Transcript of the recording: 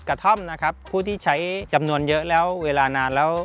ยาเสบติดกระท่อมผู้ที่ใช้จำนวนเยอะแล้วเวลานานแล้ว